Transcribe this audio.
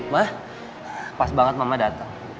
ma pas banget mama dateng